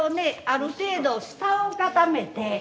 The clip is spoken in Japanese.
ある程度下を固めて。